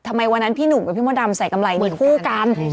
วันนั้นพี่หนุ่มกับพี่มดดำใส่กำไรมีคู่กัน